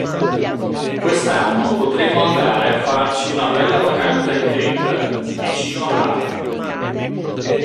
Quest'anno potremmo andare a farci una bella vacanza in tenda, vicino al mare.